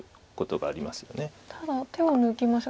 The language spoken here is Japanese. ただ手を抜きましたが。